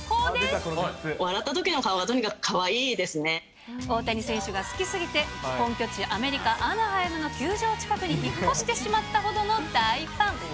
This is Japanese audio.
笑ったときの顔がとにかくか大谷選手が好き過ぎて、本拠地、アメリカ・アナハイムの球場近くに引っ越してしまったほどの大ファン。